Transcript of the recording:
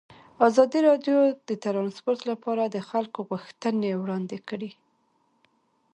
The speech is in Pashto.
ازادي راډیو د ترانسپورټ لپاره د خلکو غوښتنې وړاندې کړي.